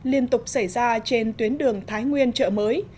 liên tục xảy ra trên tuyến đường thái nguyên chợ mới